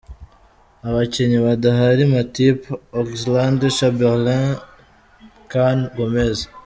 Abakinnyi badahari: Matip, Oxlade-Chamberlain, Can, Gomez.